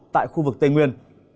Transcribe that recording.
tại khu vực tây nguyên